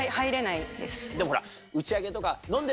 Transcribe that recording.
でもほら。